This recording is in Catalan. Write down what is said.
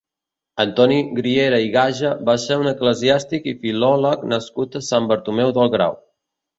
Antoni Griera i Gaja va ser un eclesiàstic i filòleg nascut a Sant Bartomeu del Grau.